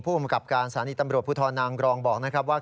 ภูมิกับการสถานีตำรวจภูทรนางกรองบอกนะครับว่า